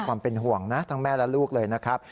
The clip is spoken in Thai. ความเป็นห่วงนะทั้งแม่และลูกเลยนะครับ